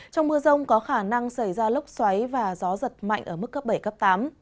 trong mưa rông có khả năng xảy ra lốc xoáy và gió giật mạnh ở mức cấp bảy cấp tám